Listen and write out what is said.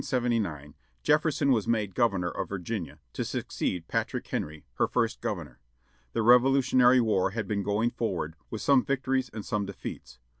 In June, 1779, Jefferson was made governor of Virginia, to succeed Patrick Henry, her first governor. The Revolutionary War had been going forward, with some victories and some defeats.